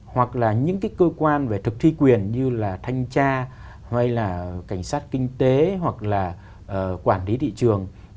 hoặc là những cái cơ quan về thực thi quyền như là thanh tra hay là cảnh sát kinh tế hoặc là quản lý thị trường